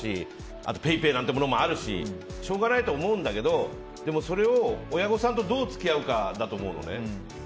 あとＰａｙＰａｙなんてものもあるししょうがないとは思うんだけどでも、それを親御さんとどう付き合うかだと思うのね。